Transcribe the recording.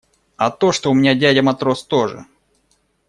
А то, что у меня дядя матрос тоже.